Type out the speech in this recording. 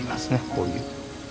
こういう。